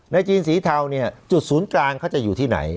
จีนสีเทาเนี่ยจุดศูนย์กลางเขาจะอยู่ที่ไหน